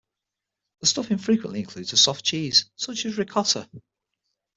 The stuffing frequently includes a soft cheese, such as ricotta.